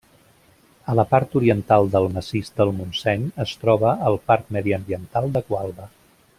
A la part oriental del massís del Montseny es troba el Parc Mediambiental de Gualba.